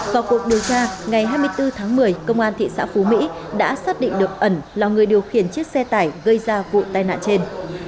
vào cuộc điều tra ngày hai mươi bốn tháng một mươi công an thị xã phú mỹ đã xác định được ẩn là người điều khiển chiếc xe tải gây ra vụ tai nạn trên